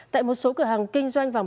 tại một số cửa hàng kinh doanh vàng